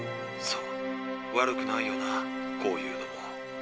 そう悪くないよなこういうのも。